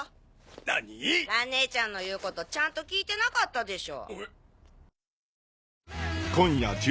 何⁉蘭ねえちゃんの言うことちゃんと聞いてなかったでしょ。